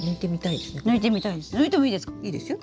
いいですよ。